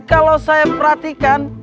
kalau saya perhatikan